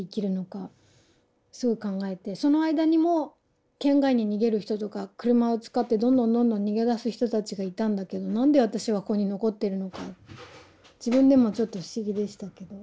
その間にも県外に逃げる人とか車を使ってどんどんどんどん逃げ出す人たちがいたんだけどなんで私はここに残ってるのか自分でもちょっと不思議でしたけど。